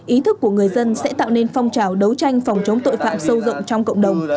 ý thức của người dân sẽ tạo nên phong trào đấu tranh phòng chống tội phạm sâu rộng trong cộng đồng